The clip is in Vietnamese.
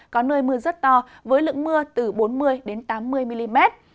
có nơi mưa rất to với lượng mưa từ bốn mươi tám mươi mm